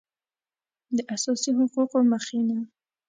د اساسي حقوقو مخینه